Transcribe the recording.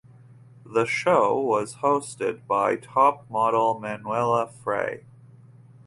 The show was hosted by Topmodel Manuela Frey.